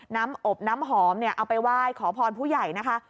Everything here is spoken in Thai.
น้ำอบน้ำหอมเนี่ยเอาไปไหว้ขอพรผู้ใหญ่นะคะ